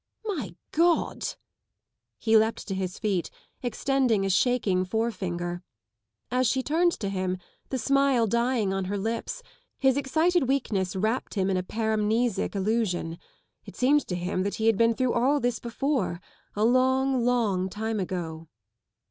" My Godl He leapt to his feet, extending a shaking forefinger. As she turned to hira, the smile dying on her lips, his excited weakness wrapped him in a paramnesic illusion : it seemed to him that he had been through all this before ŌĆö a long, long time ago.